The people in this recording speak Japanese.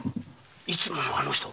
いつものあの人